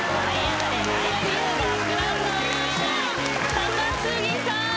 高杉さん！